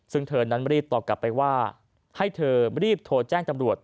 ซึ่งเธอนั้นรีบตอบกลับไปว่าให้เธอรีบโทรแจ้งตำรวจ